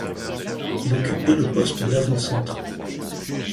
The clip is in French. Il occupait le poste d'avant-centre.